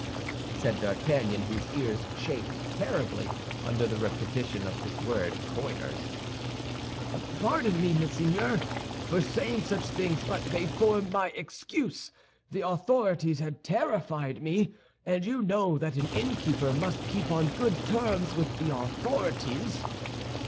said D'Artagnan, whose ears chafed terribly under the repetition of this word coiners. "Pardon me, monseigneur, for saying such things, but they form my excuse. The authorities had terrified me, and you know that an innkeeper must keep on good terms with the authorities."